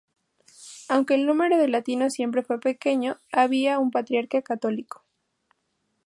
Aunque el número de latinos siempre fue pequeño, había un patriarca católico.